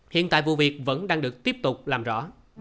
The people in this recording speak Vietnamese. hiện tại vụ việc vẫn đang được tiếp tục làm rõ